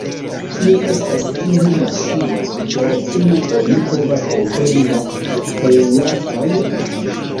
Kie estas tiu maŝino, per kiu oni povas kompreni la Plejaltan?